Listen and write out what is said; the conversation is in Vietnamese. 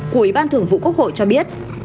của ủy ban thưởng vụ quốc hội cho biết